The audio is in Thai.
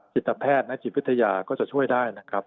จิตแพทย์และจิตวิทยาก็จะช่วยได้นะครับ